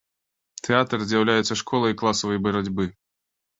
Тэатр з'яўляецца школай класавай барацьбы.